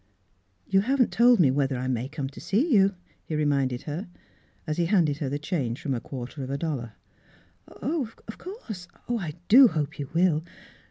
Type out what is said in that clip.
" You haven't told me whether I mav come to see you," he reminded her, as he handed her the change from a quarter of a dollar. " Oh, of course. I do hope you will.